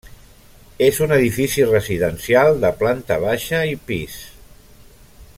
És un edifici residencial de planta baixa i pis.